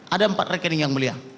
ada empat rekening yang mulia